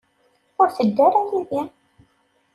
Ur tedda ara yid-i.